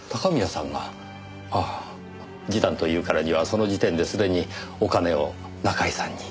ああ示談というからにはその時点ですでにお金を中居さんに？